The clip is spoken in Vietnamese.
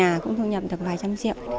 cây bưởi này cũng thu nhập được vài trăm triệu